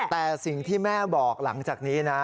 แต่สิ่งที่แม่บอกหลังจากนี้นะ